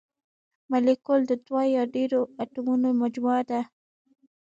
مالیکول د دوه یا ډیرو اتومونو مجموعه ده.